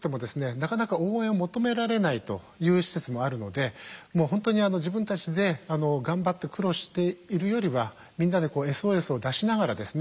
なかなか応援を求められないという施設もあるのでもう本当に自分たちで頑張って苦労しているよりはみんなでＳＯＳを出しながらですね